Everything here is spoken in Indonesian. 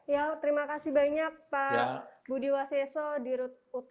ya terima kasih banyak pak budi wasieso di rutama perumbulok